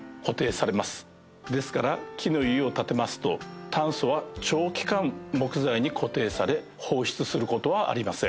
ですから木の家を建てますと炭素は長期間木材に固定され放出する事はありません。